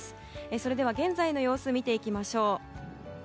それでは現在の様子見ていきましょう。